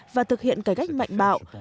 và thực hiện cải cách mạnh bạo